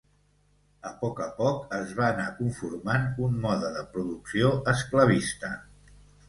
A poc a poc es va anar conformant un mode de producció esclavista.